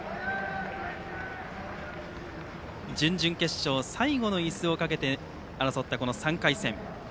準々決勝、最後のいすをかけて争ったこの３回戦。